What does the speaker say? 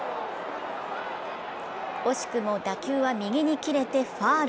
惜しくも打球は右に切れてファウル。